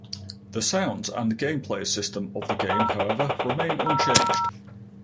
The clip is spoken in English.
The sounds and gameplay system of the game however, remain unchanged.